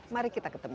mari kita ketemu